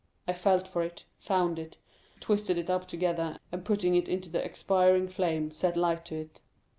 I felt for it, found it, twisted it up together, and putting it into the expiring flame, set light to it.